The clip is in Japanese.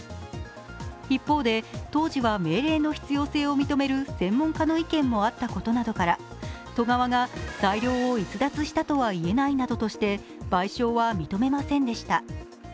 一方で、当時は命令の必要性を認める専門家の意見もあったことなどから都側が裁量を逸脱したとは言えないなどとして賠償は認めませんでした。